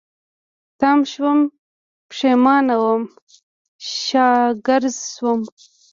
تم شوم، پيښمانه وم، شاګرځ شوم